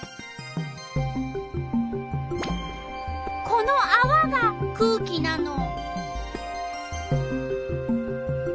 このあわが空気なの。